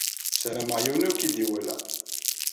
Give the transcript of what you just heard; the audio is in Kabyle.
Sarameɣ yiwen ur k-id-iwala.